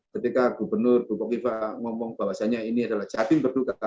ketika gubernur bukok iva ngomong bahwasannya ini adalah jatim